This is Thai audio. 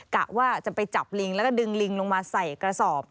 กะว่าจะไปจับลิงแล้วก็ดึงลิงลงมาใส่กระสอบ